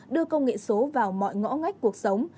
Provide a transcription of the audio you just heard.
đưa công nghệ số vào mọi ngõ ngách cuộc sống